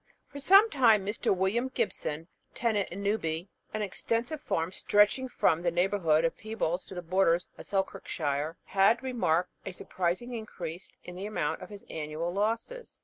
For some time Mr. William Gibson, tenant in Newby, an extensive farm stretching from the neighbourhood of Peebles to the borders of Selkirkshire, had remarked a surprising increase in the amount of his annual losses.